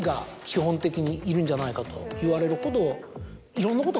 基本的にいるんじゃないかと言われるほど。